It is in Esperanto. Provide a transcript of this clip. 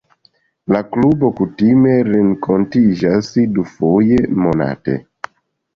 La klubo kutime renkontiĝas dufoje monate.